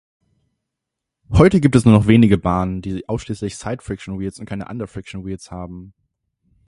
Heute gibt es nur noch wenige Bahnen, die ausschließlich Sidefriction-Wheels und keine Underfriction-Wheels haben.